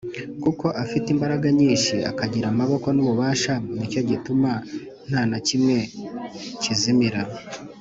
kuko afite imbaraga nyinshi akagira amaboko n’ububasha ni cyo gituma nta na kimwe kizimira